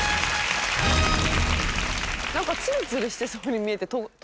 なんかツルツルしてそうに見えて遠くから見たら。